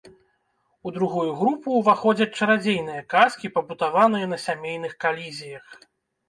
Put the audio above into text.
У другую групу ўваходзяць чарадзейныя казкі, пабудаваныя на сямейных калізіях.